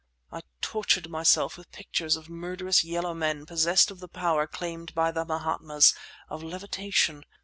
I tortured myself with pictures of murderous yellow men possessed of the power claimed by the Mahatmas, of levitation.